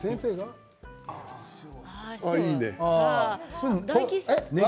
いいね。